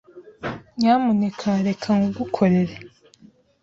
Nyamuneka reka nkugukorere.